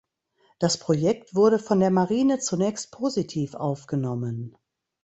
Das Projekt wurde von der Marine zunächst positiv aufgenommen.